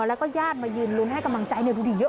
แล้วก็ญาติมายืนลุ้นให้กำลังใจดูดีเยอะ